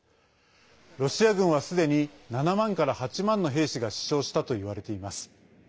ロシア軍はすでに７万から８万の兵士が死傷したといわれています。